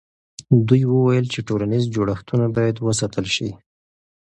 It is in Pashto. دوی وویل چې ټولنیز جوړښتونه باید وساتل سي.